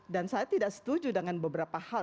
dan saya tidak setuju dengan beberapa hal